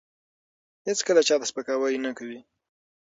هیڅکله چا ته سپکاوی نه کوي.